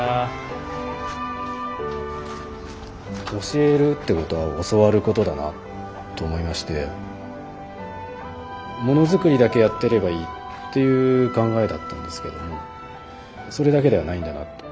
教えるってことは教わることだなと思いましてものづくりだけやってればいいっていう考えだったんですけどもそれだけではないんだなって。